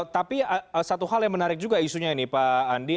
tapi satu hal yang menarik juga isunya ini pak andi